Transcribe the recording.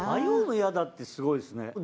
迷うの嫌だってすごいですね。